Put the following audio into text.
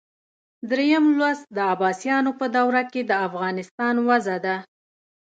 دریم لوست د عباسیانو په دوره کې د افغانستان وضع ده.